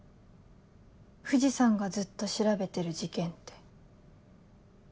藤さんがずっと調べてる事件って。